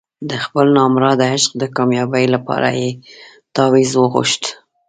د خپل نامراده عشق د کامیابۍ لپاره یې تاویز وغوښت.